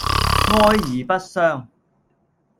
哀而不傷